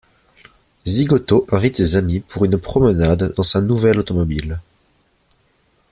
Zigoto invite ses amis pour une promenade dans sa nouvelle automobile.